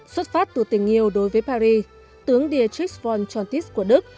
xuất phát từ tình yêu đối với paris tướng dietrich von schontitz của đức